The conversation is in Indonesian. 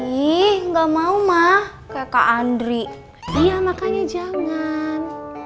ih enggak mau mah kek andri iya makanya jangan